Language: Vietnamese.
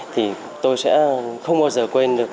thì tôi sẽ không bao giờ quên được